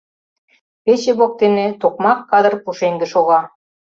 Пече воктене токмак кадыр пушеҥге шога.